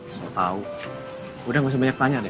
gak usah tau udah gak usah banyak tanya deh